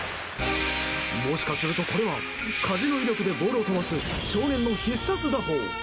もしかするとこれは風の威力でボールを飛ばす少年の必殺打法。